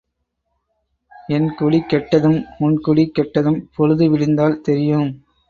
என் குடி கெட்டதும் உன் குடி கெட்டதும் பொழுது விடிந்தால் தெரியும்.